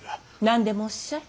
何でもおっしゃい。